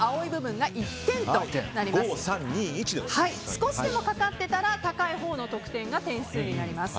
少しでもかかっていたら高いほうの得点が点数になります。